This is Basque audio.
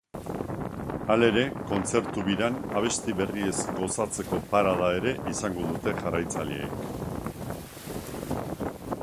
Halere, kontzertu-biran abesti berriez gozatzeko parada ere izango dute jarraitzaileek.